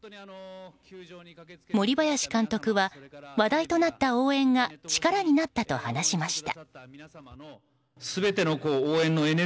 森林監督は話題となった応援が力になったと話しました。